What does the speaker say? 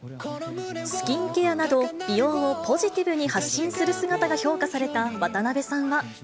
スキンケアなど、美容をポジティブに発信する姿が評価された渡辺さんは。